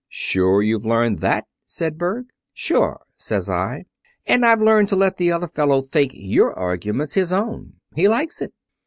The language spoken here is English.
"' "'Sure you've learned that?' said Berg. "'Sure,' says I. 'And I've learned to let the other fellow think your argument's his own. He likes it.